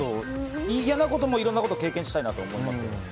嫌なこともいろんなことを経験したいなと思いますけども。